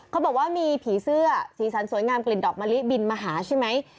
เขาบอกว่ามีผีเสื้อสีสันสวยงามกลิ่นดอกมะลิบินมาหาใช่ไหม